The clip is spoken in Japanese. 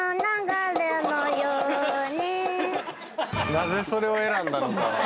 なぜそれを選んだのか。